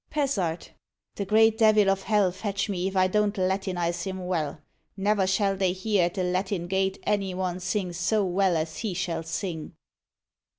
PESART. The great devil of hell fetch me if I don't Latinise him well. Never shall they hear at the Latin Gate any one sing so well as he shall sing.